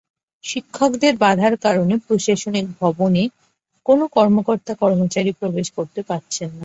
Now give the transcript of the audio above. শিক্ষকদের বাধার কারণে প্রশাসনিক ভবনে কোনো কর্মকর্তা-কর্মচারী প্রবেশ করতে পারছেন না।